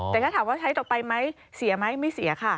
แต่ถ้าถามว่าใช้ต่อไปไหมเสียไหมไม่เสียค่ะ